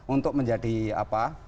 untuk menjadi apa